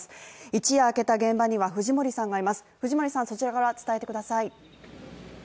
一夜明けた現場には藤森さんがいます